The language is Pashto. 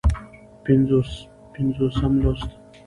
پينځوسم لوست